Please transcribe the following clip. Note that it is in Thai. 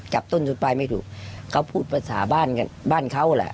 จับต้นจนปลายไม่ถูกเขาพูดภาษาบ้านบ้านเขาแหละ